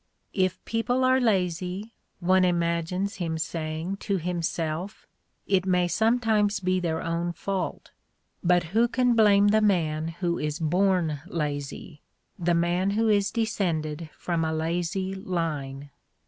" If people are lazy, one imagines him saying to himself, it may sometimes be their own fault. But who can blame the man who is "born lazy," the man who is descended from a lazy line?